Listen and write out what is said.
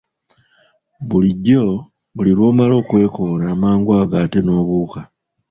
Bulijjo buli lw’omala okwekoona amangu ago ate n'obuuka.